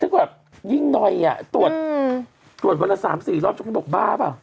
ถ้าแบบยิ่งนอยตรวจวันละ๓๔รอบทุกคนบอกบ้าเปล่า